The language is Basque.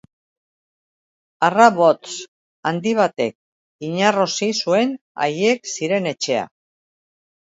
Harrabots handi batek inarrosi zuen haiek ziren etxea.